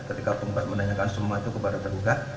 ketika penggugat menanyakan semua itu kepada tergugat